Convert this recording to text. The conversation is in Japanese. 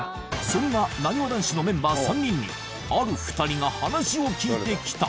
そんななにわ男子のメンバー３人にある２人が話を聞いてきた。